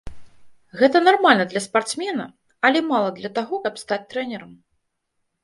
Гэта нармальна для спартсмена, але мала для таго, каб стаць трэнерам.